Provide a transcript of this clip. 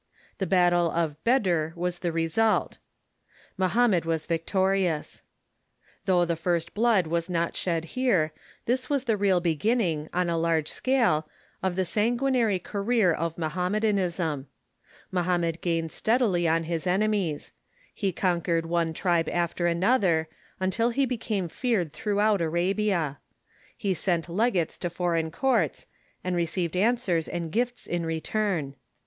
The battle of Bedr was the result. Mohammed was victorious. 118 THE MEDIAEVAL CHURCH Though the first blood was not shed here, this was the real beginning, on a large scale, of the sanguinary career of Mo hammedanism. Mohammed gained steadily on his enemies. He conquered one tribe after another, until he became feared thi*oughout Arabia. He sent legates to foreign courts, and received answers and gifts in return.